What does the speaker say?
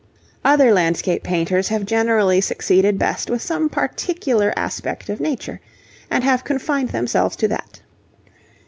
Other landscape painters have generally succeeded best with some particular aspect of nature, and have confined themselves to that.